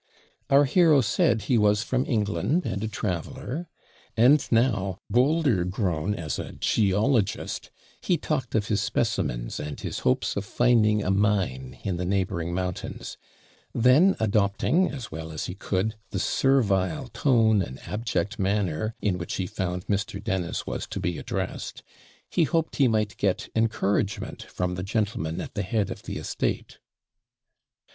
Our hero said he was from England, and a traveller; and now, bolder grown as a geologist, he talked of his specimens, and his hopes of finding a mine in the neighbouring mountains; then adopting, as well as he could, the servile tone and abject manner in which he found Mr. Dennis was to be addressed, 'he hoped he might get encouragement from the gentleman at the head of the estate.'